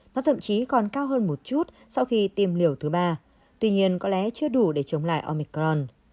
nó thậm chí còn cao hơn một chút sau khi tiêm liều thứ ba tuy nhiên có lẽ chưa đủ để chống lại omicron